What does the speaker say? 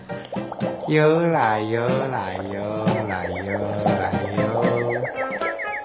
ゆらゆらゆらゆらゆ。